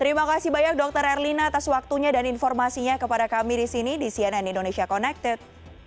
terima kasih banyak dokter erlina atas waktunya dan informasinya kepada kami di sini di cnn indonesia connected